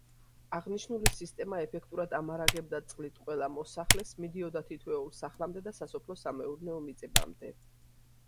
აღნიშნული სისტემა ეფექტურად ამარაგებდა წყლით ყველა მოსახლეს, მიდიოდა თითოეულ სახლამდე და სასოფლო-სამეურნეო მიწებამდე.